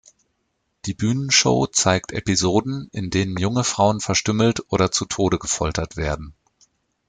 Die Bühnenshow zeigt Episoden, in denen junge Frauen verstümmelt oder zu Tode gefoltert werden.